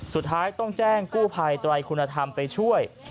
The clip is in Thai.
สุดท้ายต้องแจ้งกู้ภัยไตรคุณธรรมไปช่วย